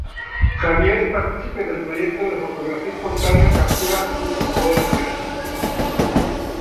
Javier es partícipe del proyecto de fotografía espontánea: Captura.org.